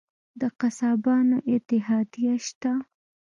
د قصابانو اتحادیه شته؟